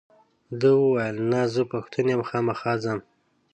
ده وویل نه زه پښتون یم خامخا ځم.